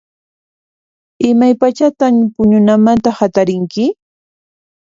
Imaypachatan puñunamanta hatarinki?